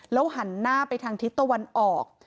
หันหน้าไปทางทิศตะวันออก